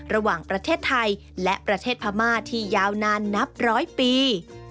ระหว่างประเทศไทยและประเทศพม่าที่ยาวนานนับร้อยปี